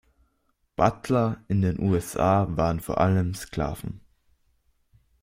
Butler in den U S A waren vor allem Sklaven.